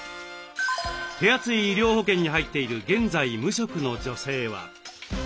手厚い医療保険に入っている現在無職の女性は。